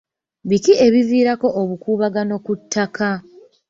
Biki ebiviirako obukuubagano ku ttaka?